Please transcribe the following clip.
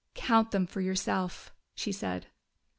"Count them for yourself!" she said.